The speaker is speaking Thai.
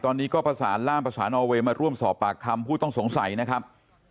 ตอนนี้ก็ประสานล่ามประสานอเวย์มาร่วมสอบปากคำผู้ต้องสงสัยนะครับ